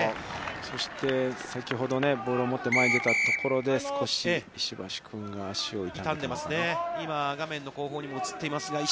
そして、先ほどボールを持って前に出たところで少し石橋君が足を痛めました。